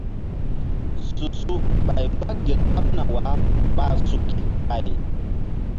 Su-su ɓay mgba gel kaɓna wah ɓa suk ɓay.